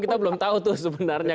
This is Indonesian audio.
kita belum tahu tuh sebenarnya